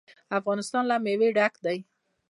افغانستان له مېوې ډک دی.